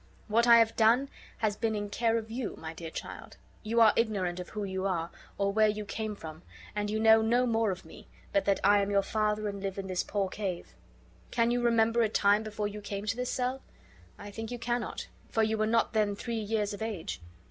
What I have done has been in care of you, my dear child. You are ignorant who you are, or where you came from, and you know no more of me, but that I am your father and live in this poor cave. Can you remember a time before you came to this cell? I think you cannot, for you were not then three years of age."